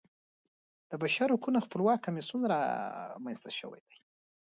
د بشرحقونو خپلواک کمیسیون رامنځته شوی دی.